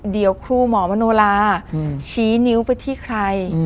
เดี๋ยวครูหมอมโนลาชี้นิ้วไปที่ใคร